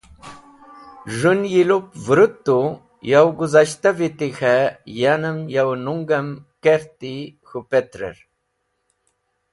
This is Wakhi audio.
Z̃hũn yi lup vũrũt tu yaw guzashta viti k̃he yanem yaw nungem karti k̃hũ peterer.